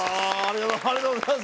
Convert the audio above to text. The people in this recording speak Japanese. ありがとうございます。